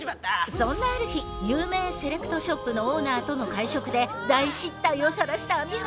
そんなある日有名セレクトショップのオーナーとの会食で大失態をさらした網浜。